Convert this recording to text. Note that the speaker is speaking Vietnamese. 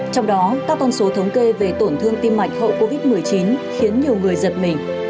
trong đó các con số thống kê về tổn thương tim mạch hậu covid một mươi chín khiến nhiều người giật mình